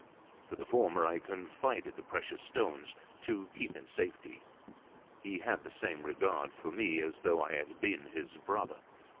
To the former I confided the precious stones, to keep in safety: he had the same regard for me as though I had been his brother.